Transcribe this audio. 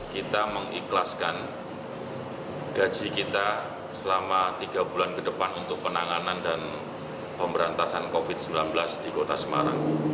kita mengikhlaskan gaji kita selama tiga bulan ke depan untuk penanganan dan pemberantasan covid sembilan belas di kota semarang